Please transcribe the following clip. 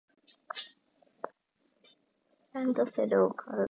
ランドセルを買う